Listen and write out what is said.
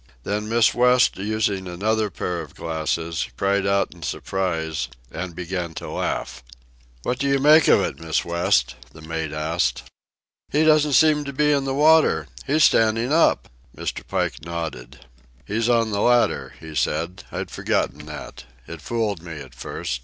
Then Miss West, using another pair of glasses, cried out in surprise and began to laugh. "What do you make of it, Miss West?" the mate asked. "He doesn't seem to be in the water. He's standing up." Mr. Pike nodded. "He's on the ladder," he said. "I'd forgotten that. It fooled me at first.